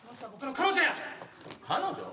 彼女？